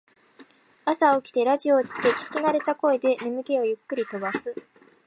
朝起きてラジオをつけ聞きなれた声で眠気をゆっくり飛ばす